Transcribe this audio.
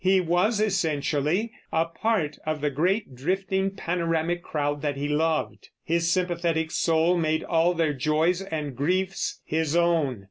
He was essentially a part of the great drifting panoramic crowd that he loved. His sympathetic soul made all their joys and griefs his own.